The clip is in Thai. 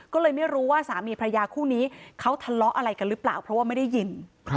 ก็เลยไม่รู้ว่าสามีพระยาคู่นี้เขาทะเลาะอะไรกันหรือเปล่าเพราะว่าไม่ได้ยิน